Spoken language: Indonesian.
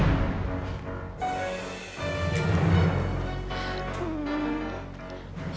saatnya aku mau lakukan rencana yang lain